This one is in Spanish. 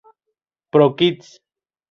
Pro Kids.